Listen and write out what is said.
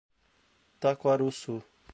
Taquarussu